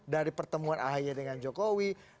dari pertemuan ahy dengan jokowi